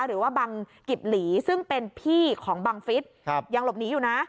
หรือว่าบังกิบหลีซึ่งเป็นพี่ของบังฟิศยังหลบหนีอยู่นะ